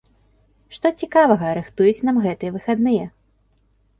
Што цікавага рыхтуюць нам гэтыя выхадныя?